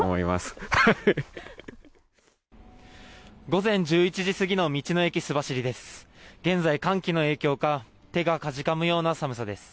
午前１１時過ぎの道の駅すばしりです。